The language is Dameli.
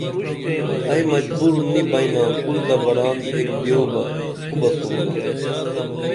ائی مجبور نی بئنا کُل تہ بران ایک دیو بہ کو بسُمنا